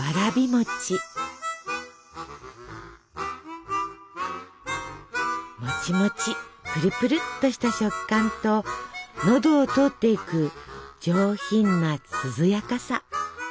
もちもちプルプルっとした食感と喉を通っていく上品な涼やかさ。